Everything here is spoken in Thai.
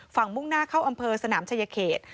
มุ่งหน้าเข้าอำเภอสนามชายเขต